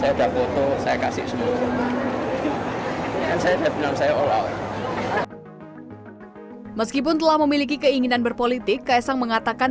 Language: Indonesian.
saya sudah bilang saya all out meskipun telah memiliki keinginan berpolitik kaesang mengatakan